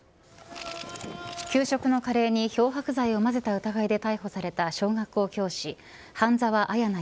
給食のカレーに漂白剤を混ぜた疑いで逮捕された小学校教師、半沢彩奈